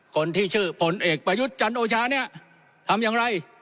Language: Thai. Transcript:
คนที่ชื่อผลเอกประยุทธ์จันโอชาเนี่ยทำอย่างไร